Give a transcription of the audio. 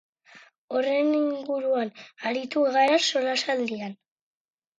Horren inguruan aritu gara solasaldian.